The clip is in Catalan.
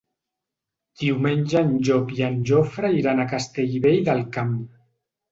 Diumenge en Llop i en Jofre iran a Castellvell del Camp.